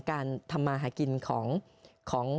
การทำมาหากินของ